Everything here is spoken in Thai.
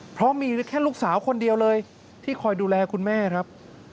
เพราะมีแค่ลูกสาวคนเดียวเลยที่คอยดูแลคุณแม่ครับ